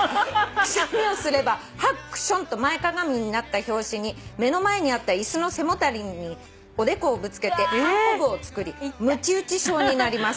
「くしゃみをすればハックションと前かがみになった拍子に目の前にあった椅子の背もたれにおでこをぶつけてこぶをつくりむち打ち症になります」